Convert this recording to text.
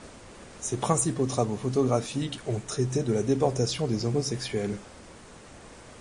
Ses principaux travaux photographiques ont traité de la déportation des homosexuels.